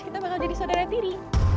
kita bakal jadi saudara tiri